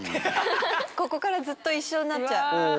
ここからずっと一緒になっちゃう。